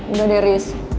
udah deh riz